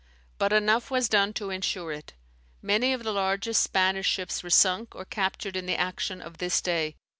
But enough was done to ensure it. Many of the largest Spanish ships were sunk or captured in the action of this day.